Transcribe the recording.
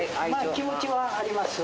気持ちはあります。